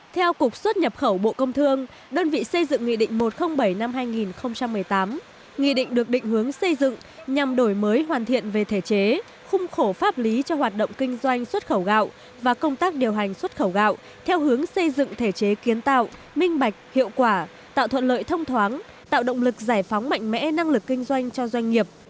theo cục xuất nhập khẩu bộ công thương đơn vị xây dựng nghị định một trăm linh bảy năm hai nghìn một mươi tám nghị định được định hướng xây dựng nhằm đổi mới hoàn thiện về thể chế khung khổ pháp lý cho hoạt động kinh doanh xuất khẩu gạo và công tác điều hành xuất khẩu gạo theo hướng xây dựng thể chế kiến tạo minh bạch hiệu quả tạo thuận lợi thông thoáng tạo động lực giải phóng mạnh mẽ năng lực kinh doanh cho doanh nghiệp